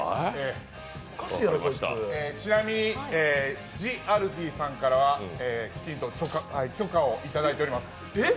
ちなみにＴＨＥＡＬＦＥＥさんからはきちんと許可をいただいております。